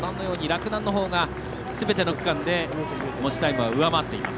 洛南のほうがすべての区間で持ちタイムは上回っています。